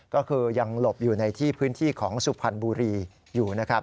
ก็คือยังหลบอยู่ในที่พื้นที่ของสุพรรณบุรีอยู่นะครับ